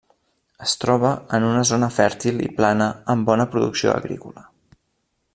Es troba en una zona fèrtil i plana amb bona producció agrícola.